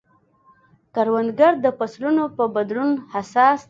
کروندګر د فصلونو په بدلون حساس دی